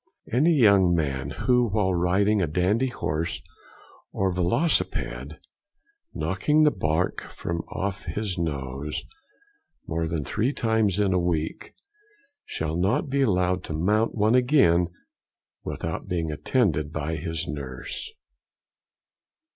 Any young man, who while riding a dandy horse or velocipede, knocking the bark from off his nose more than three times in one week, shall not be allowed to mount one again without being attended by his nurse.